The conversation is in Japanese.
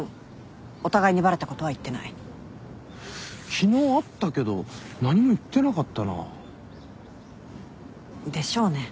昨日会ったけど何も言ってなかったな。でしょうね。